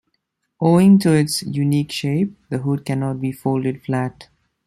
Owing to its unique shape, the hood cannot be folded flat.